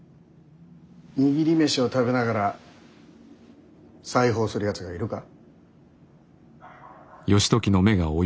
握り飯を食べながら裁縫をするやつがいるか。